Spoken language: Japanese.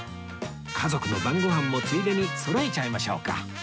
家族の晩ご飯もついでにそろえちゃいましょうか